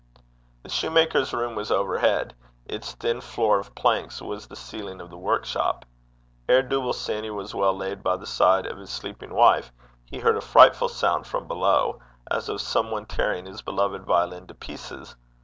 The shoemaker's room was overhead; its thin floor of planks was the ceiling of the workshop. Ere Dooble Sanny was well laid by the side of his sleeping wife, he heard a frightful sound from below, as of some one tearing his beloved violin to pieces.